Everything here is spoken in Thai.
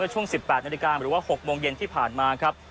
ช่วง๑๘นาฬิกาหรือว่า๖โมงเย็นที่ผ่านมาครับ